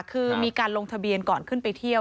คือมีการลงทะเบียนก่อนขึ้นไปเที่ยว